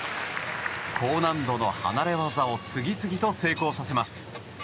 高難度の離れ技を次々と成功させます。